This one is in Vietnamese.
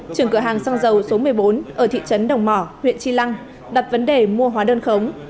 trưởng cửa hàng xăng dầu số một mươi bốn ở thị trấn đồng mỏ huyện tri lăng đặt vấn đề mua hóa đơn khống